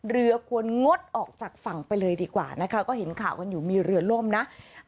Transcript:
เรือควรงดออกจากฝั่งไปเลยดีกว่านะคะก็เห็นข่าวกันอยู่มีเรือล่มนะ